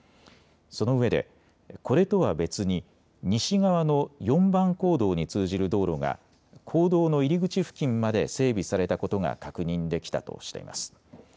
そのうえでこれとは別に西側の４番坑道に通じる道路が坑道の入り口付近まで整備されたことが確認できたとしています。